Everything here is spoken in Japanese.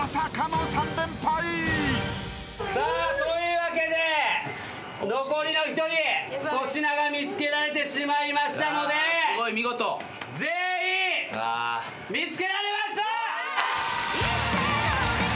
さあというわけで残りの１人粗品が見つけられてしまいましたので全員見つけられました！